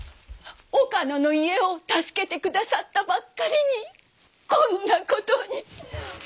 岡野の家を助けてくださったばっかりにこんなことに。